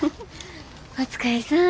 お疲れさん。